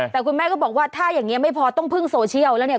แต่คุณแม่ก็บอกว่าถ้าอย่างนี้ไม่พอต้องพึ่งโซเชียลแล้วเนี่ย